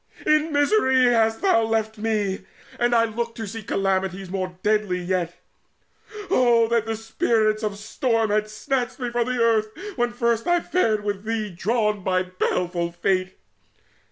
In misery hast thou left me, and I look To see calamities more deadly yet. Oh that the Spirits of the Storm had snatched Me from the earth when first I fared with thee Drawn by a baleful Fate!